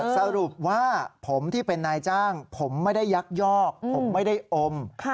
สรุปว่าผมที่เป็นนายจ้างผมไม่ได้ยักยอกผมไม่ได้อม